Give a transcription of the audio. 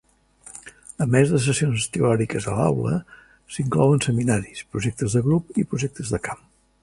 A més de sessions teòriques a l"aula, s"inclouen seminaris, projectes de grup i projectes de camp.